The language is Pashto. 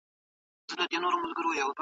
هره تراژیدي به زه ډېر خفه کولم.